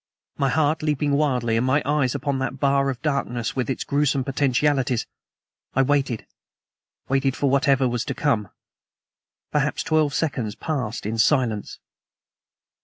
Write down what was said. My heart leaping wildly, and my eyes upon that bar of darkness with its gruesome potentialities, I waited waited for whatever was to come. Perhaps twelve seconds passed in silence.